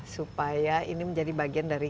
supaya ini menjadi bagian dari